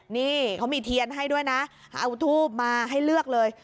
นี่เขามีเทียนให้ด้วยนะเอาทูบมาให้เลือกเลย